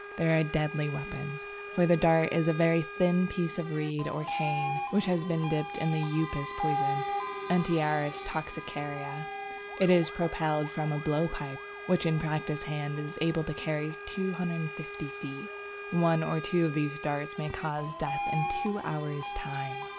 They are deadly weapons, for the dart is a very thin piece of reed or cane, which has been dipped in the Upas poison (Antiaris toxicaria). It is propelled from a blow pipe, which in practised hands is able to carry 250 feet. One or two of these darts may cause death in two hours' time.